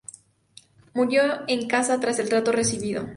Murió en casa tras el trato recibido.